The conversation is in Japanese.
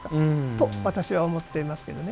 と、私は思っていますけどね。